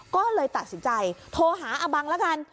ก็เลยตัดสินใจโทรหาอาบังละกัน